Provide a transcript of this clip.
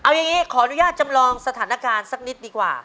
เอาอย่างนี้ขออนุญาตจำลองสถานการณ์สักนิดดีกว่า